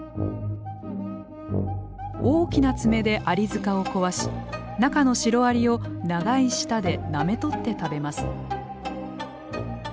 大きな爪でアリ塚を壊し中のシロアリを長い舌でなめ取って食べます。